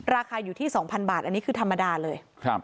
ราคาอยู่ที่๒๐๐บาทอันนี้คือธรรมดาเลย